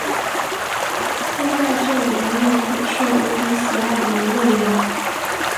现在这里仍有很受儿童喜爱的游乐园。